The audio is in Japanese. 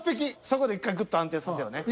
そこで１回グッと安定させようね。